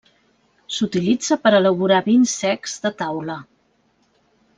S'utilitza per elaborar vins secs de taula.